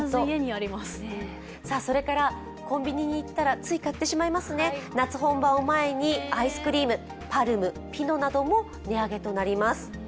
それからコンビニに行ったらつい買ってしまいますね、夏本番を前にアイスクリーム、ＰＡＲＭ、ピノなども値上げになります